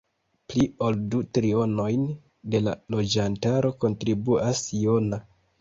Pli ol du trionojn de la loĝantaro kontribuas Jona.